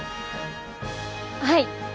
はい。